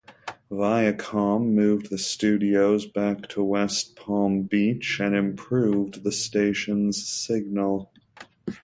Viacom moved the studios back to West Palm Beach and improved the station's signal.